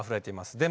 でも